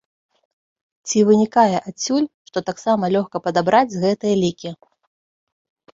Ці вынікае адсюль, што таксама лёгка падабраць гэтыя лікі?